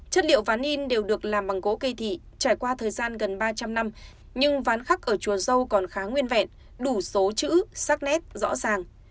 chất liệu ván in đều được làm bằng gỗ cây thị trải qua thời gian gần ba trăm linh năm nhưng ván khắc ở chùa dâu còn khá nguyên vẹn đủ số chữ sắc nét rõ ràng